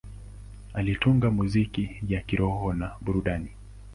Alitunga muziki ya kiroho na ya burudani.